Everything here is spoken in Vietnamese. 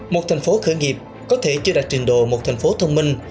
một thành phố khởi nghiệp có thể chưa đạt trình độ một thành phố thông minh